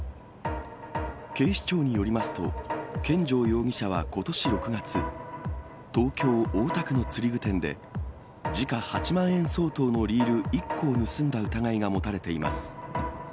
警視庁によりますと、見城容疑者はことし６月、東京・大田区の釣り具店で、時価８万円相当のリール１個を盗んだ疑いが持たれています。